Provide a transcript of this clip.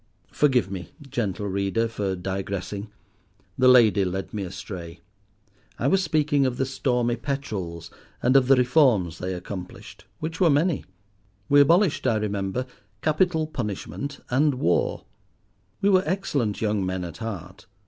Forgive me, gentle Reader, for digressing. The lady led me astray. I was speaking of "The Stormy Petrels," and of the reforms they accomplished, which were many. We abolished, I remember, capital punishment and war; we were excellent young men at heart.